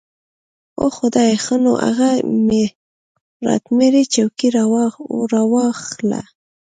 اوح خدايه ښه نو اغه ميراتمړې چوکۍ راواخله.